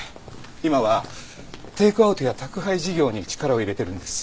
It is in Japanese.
今はテイクアウトや宅配事業に力を入れてるんです。